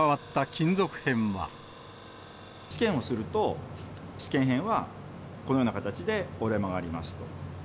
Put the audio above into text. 試験をすると、試験片はこのような形で折れ曲がりますと。